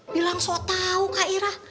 bilang sotau kak ira